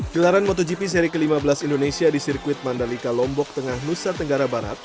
gelaran motogp seri ke lima belas indonesia di sirkuit mandalika lombok tengah nusa tenggara barat